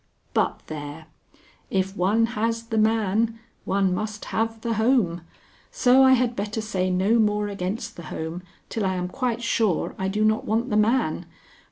But there! If one has the man, one must have the home, so I had better say no more against the home till I am quite sure I do not want the man.